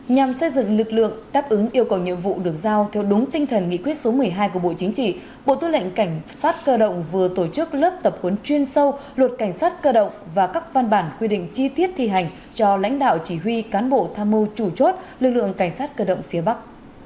nhằm xây dựng lực lượng đáp ứng yêu cầu nhiệm vụ được giao theo đúng tinh thần nghị quyết số một mươi hai của bộ chính trị bộ tư lệnh cảnh sát cơ động vừa tổ chức lớp tập huấn chuyên sâu luật cảnh sát cơ động và các văn bản quy định chi tiết thi hành cho lãnh đạo chỉ huy cán bộ tham mưu chủ chốt lực lượng cảnh sát cơ động phía bắc